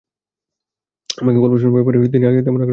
আমাকে গল্প শোনানোর ব্যাপারে তিনি তেমন আগ্রহ বোধ করতেন না।